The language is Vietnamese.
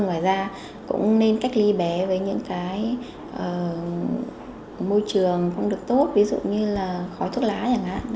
ngoài ra cũng nên cách ly bé với những cái môi trường không được tốt ví dụ như là khói thuốc lá chẳng hạn